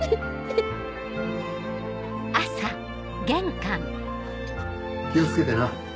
気を付けてな。